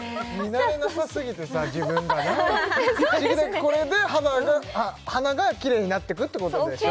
慣れなさすぎてさ自分がこれで鼻がキレイになっていくってことでしょ